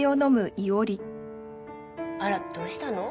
あらどうしたの？